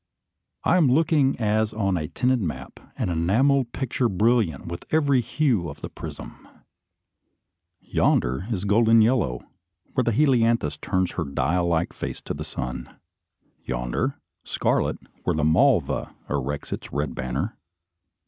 I am looking as on a tinted map, an enamelled picture brilliant with every hue of the prism. Yonder is golden yellow, where the helianthus turns her dial like face to the sun. Yonder, scarlet, where the malva erects its red banner.